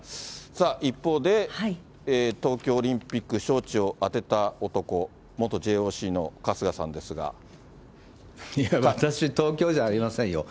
一方で、東京オリンピック招致を当てた男、私、東京じゃありませんよ。